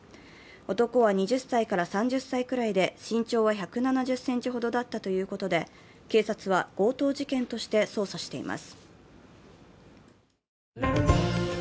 男は２０歳から３０歳くらいで、身長は１７０ｃｍほどだったということで警察は強盗事件として捜査しています。